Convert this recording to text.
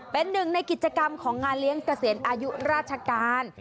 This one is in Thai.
เป็นหนึ่งในกิจกรรมของงานเลี้ยงเกษียณอายุราชการ